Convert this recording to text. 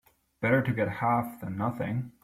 Better to get half than nothing.